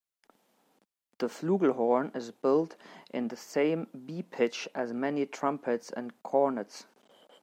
The flugelhorn is built in the same B pitch as many trumpets and cornets.